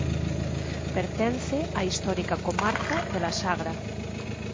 Pertence á histórica comarca de La Sagra.